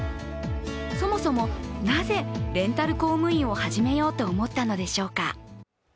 そもそも、なぜレンタル公務員を始めようと思ったのでしょうか。